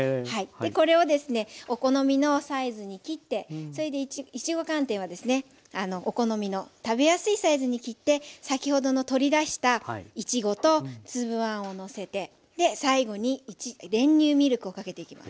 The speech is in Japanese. これをですねお好みのサイズに切ってそれでいちご寒天はですねお好みの食べやすいサイズに切って先ほどの取り出したいちごと粒あんをのせて最後に練乳ミルクをかけていきます。